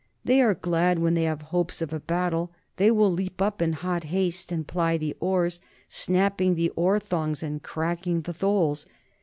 They are glad when they have hopes of a battle, they will leap up in hot haste and ply the oars, snapping the oar thongs and cracking the tholes.